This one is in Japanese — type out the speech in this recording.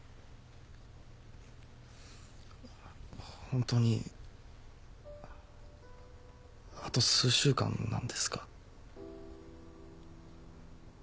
ホントにあと数週間なんですか？